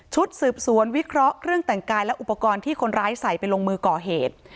ชุดสืบสวนวิเคราะห์เครื่องแต่งกายและอุปกรณ์ที่คนร้ายใส่ไปลงมือก่อเหตุ